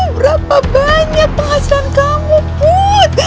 berapa banyak penghasilan kamu putih